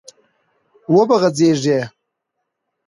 و به غځېږي،